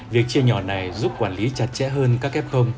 việc chia nhỏ này giúp quản lý chặt chẽ hơn các f